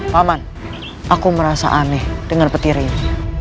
paman aku merasa aneh dengan petir ini